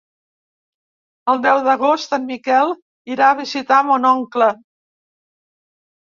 El deu d'agost en Miquel irà a visitar mon oncle.